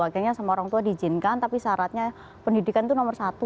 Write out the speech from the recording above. akhirnya sama orang tua diizinkan tapi syaratnya pendidikan itu nomor satu